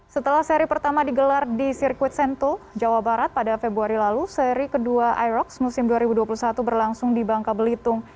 setelah seri pertama digelar di sirkuit sentul jawa barat pada februari lalu seri kedua irox musim dua ribu dua puluh satu berlangsung di bangka belitung